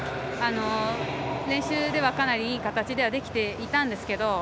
練習ではかなりいい形で、できていたんですけど。